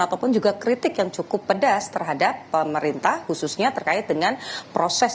ataupun juga kritik yang cukup pedas terhadap pemerintah khususnya terkait dengan proses